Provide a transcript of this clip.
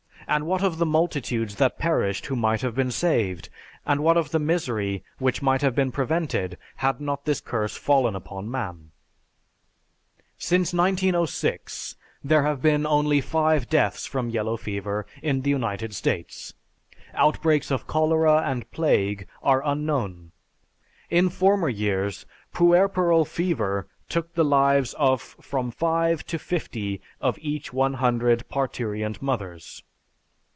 And what of the multitudes that perished who might have been saved, and what of the misery which might have been prevented, had not this curse fallen upon man? Since 1906, there have been only five deaths from yellow fever in the United States. Outbreaks of cholera and plague are unknown. In former years, puerperal fever took the lives of from five to fifty of each one hundred parturient mothers.